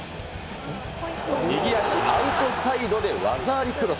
右足、アウトサイドで技ありクロス。